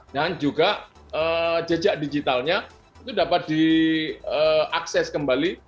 dan juga jejak digitalnya itu dapat diakses kembali